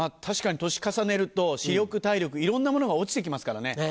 確かに年重ねると視力体力いろんなものが落ちて来ますからね。